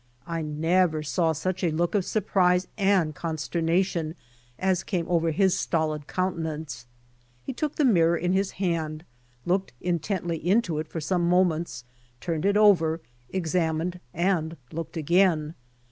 I never saw such a look of surprise and consternation as came over his stolid counte nance. He took the mirror in his hand, looked in tently into it for some moment's turned it over, ex amined and looked again.